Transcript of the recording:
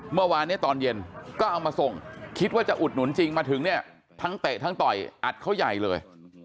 เมื่อวานเนี่ยตอนเย็นก็เอามาส่งคิดว่าจะอุดหนุนจริงมาถึงเนี่ยทั้งเตะทั้งต่อยอัดเขาใหญ่เลย